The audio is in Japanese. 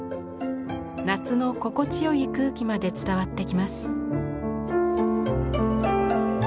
夏の心地よい空気まで伝わってきます。